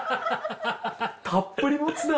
たっぷりモツだ。